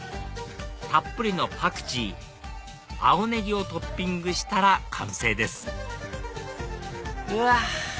たっぷりのパクチー青ネギをトッピングしたら完成ですうわ！